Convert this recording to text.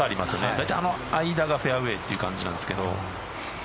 だいたいあの間がフェアウエーという感じなんですけど